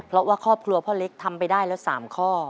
เพราะว่าครอบครัวพ่อเล็กทำไปได้แล้ว๓ข้อ